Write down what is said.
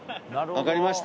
分かりました。